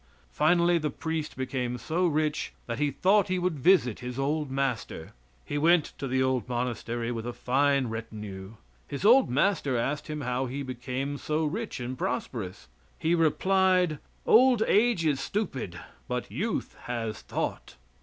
Finally the priest became so rich that he thought he would visit his old master. He went to the old monastery with a fine retinue. His old master asked him how he became so rich and prosperous. He replied: "Old age is stupid, but youth has thought."